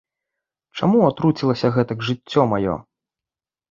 Чаму атруцілася гэтак жыццё маё?